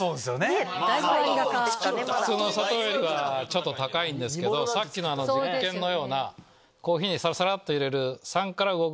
普通の砂糖よりはちょっと高いんですけどさっきの実験のようなコーヒーにさらさらっと入れる３から５ｇ。